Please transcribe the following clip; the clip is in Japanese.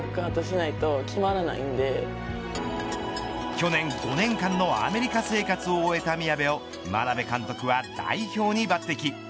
去年５年間のアメリカ生活を終えた宮部を眞鍋監督は代表に抜てき。